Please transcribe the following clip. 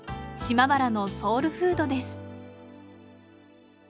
島原のソウルフードです。